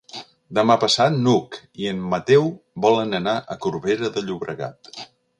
Demà passat n'Hug i en Mateu volen anar a Corbera de Llobregat.